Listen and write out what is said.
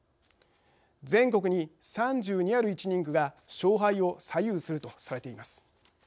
全国に３２ある１人区が勝敗を左右するとされています。